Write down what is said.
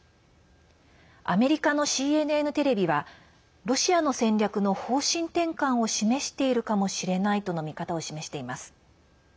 アメリカのＣＮＮテレビはロシアの戦略の方針転換を示しているかもしれないとの見方を示しています。